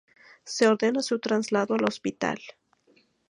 Se ordena su traslado al Hospital.